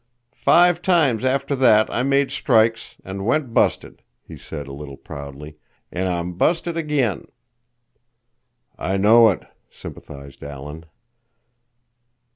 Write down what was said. "Five times after that I made strikes and went busted," he said a little proudly. "And I'm busted again!" "I know it," sympathized Alan.